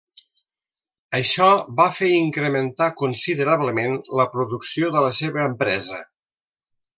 Això va fer incrementar considerablement la producció de la seva empresa.